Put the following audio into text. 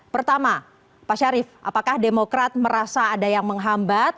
pertama pak syarif apakah demokrat merasa ada yang menghambat